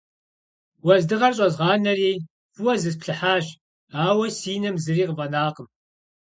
Уэздыгъэр щӏэзгъанэри, фӏыуэ зысплъыхьащ, ауэ си нэм зыри къыфӏэнакъым.